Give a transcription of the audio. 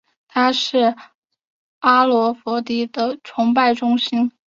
它也是阿佛罗狄忒的崇拜中心。